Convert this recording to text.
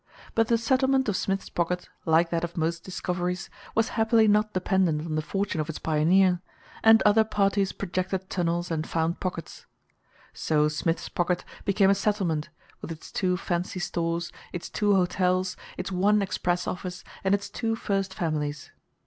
But the settlement of Smith's Pocket, like that of most discoveries, was happily not dependent on the fortune of its pioneer, and other parties projected tunnels and found pockets. So Smith's Pocket became a settlement, with its two fancy stores, its two hotels, its one express office, and its two first families.